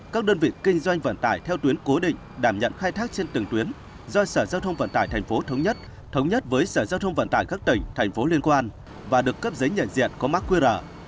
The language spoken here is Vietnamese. các đơn vị kinh doanh vận tải theo tuyến cố định đảm nhận khai thác trên từng tuyến do sở giao thông vận tải thành phố thống nhất thống nhất với sở giao thông vận tải các tỉnh thành phố liên quan và được cấp giấy nhận diện có mã qr